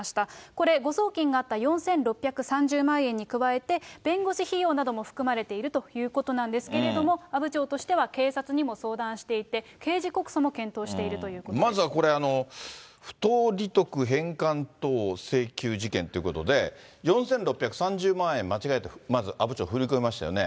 これ誤送金があった４６３０万円に加えて、弁護士費用なども含まれているということなんですけれども、阿武町としては警察にも相談していて、刑事告訴も検討しているとまずはこれ、不当利得返還等請求事件ということで、４６３０万円間違えて、まず阿武町振り込みましたよね。